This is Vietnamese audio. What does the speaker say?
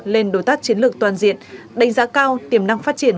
lên đối tác chiến lược toàn diện đánh giá cao tiềm năng phát triển